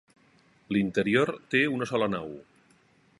L'interior té una sola nau.